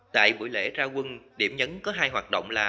tại buổi lễ ra quân điểm nhấn có hai hoạt động là